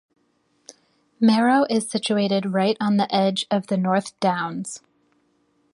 Merrow is situated right on the edge of the North Downs.